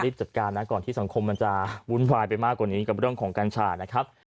จัดการนะก่อนที่สังคมมันจะวุ่นวายไปมากกว่านี้กับเรื่องของกัญชานะครับ